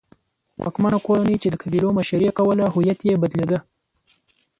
واکمنه کورنۍ چې د قبیلو مشري یې کوله هویت یې بدلېده.